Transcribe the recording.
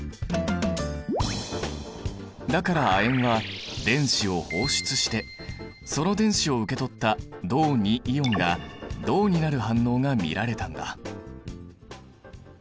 だから亜鉛は電子を放出してその電子を受け取った銅イオンが銅になる反応が見られたんだ。